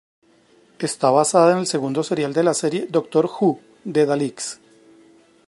Está basada en el segundo serial de la serie "Doctor Who", "The Daleks".